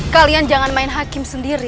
kalian jangan main hakim sendiri